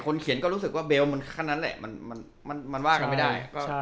เขียนก็รู้สึกว่าเบลมันขั้นนั้นแหละมันว่ากันไม่ได้